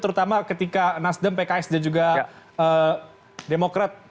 terutama ketika nasdem pks dan juga demokrat